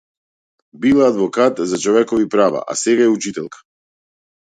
Била адвокат за човекови права, а сега е учителка.